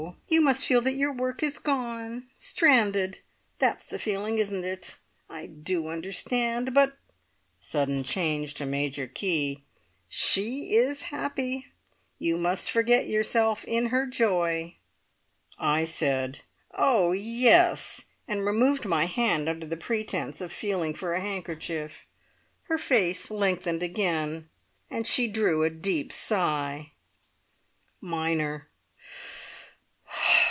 You must feel that your work is gone. Stranded! That's the feeling, isn't it? I do understand. But" (sudden change to major key) "she is happy! You must forget yourself in her joy!" I said, "Oh! yes," and removed my hand under pretence of feeling for a handkerchief. Her face lengthened again, and she drew a deep sigh. (Minor.)